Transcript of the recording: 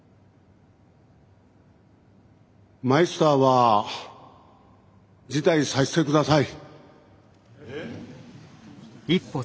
マイスターは辞退させて下さい。